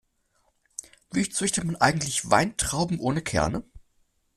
Wie züchtet man eigentlich Weintrauben ohne Kerne?